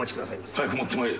早く持ってまいれ。